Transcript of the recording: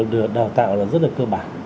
được đào tạo là rất là cơ bản